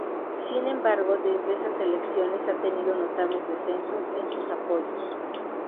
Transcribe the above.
Sin embargo, desde esas elecciones ha tenido notables descensos en sus apoyos.